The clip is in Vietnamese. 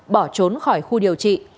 bỏ trốn khỏi khu điều trị